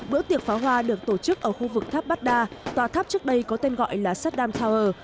bữa tiệc pháo hoa được tổ chức ở khu vực tháp baghdad tòa tháp trước đây có tên gọi là sudan tower